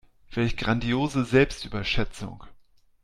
Welch grandiose Selbstüberschätzung.